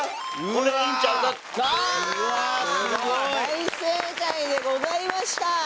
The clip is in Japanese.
大正解でございました。